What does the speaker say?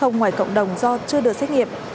ngoài cộng đồng do chưa được xét nghiệm